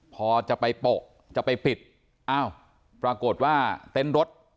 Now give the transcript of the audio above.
พอจะไปโปะจะไปปิดอ้าวปรากฏว่าเต็นต์รถ